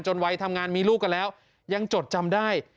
วัยทำงานมีลูกกันแล้วยังจดจำได้